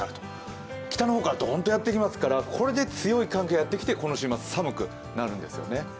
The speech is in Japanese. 北の方からどんとやってきますからこれで強い寒気がやってきてこの週末、寒くなるんですね。